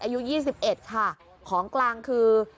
อายุ๒๑ค่ะของกลางคือ